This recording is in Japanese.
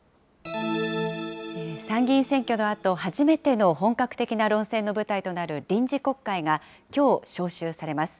参議院選挙のあと、初めての本格的な論戦の舞台となる臨時国会が、きょう召集されます。